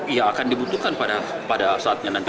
ya akan dibutuhkan pada saatnya nanti